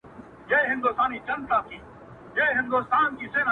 ژوند به نه غواړي مرگی به یې خوښېږي؛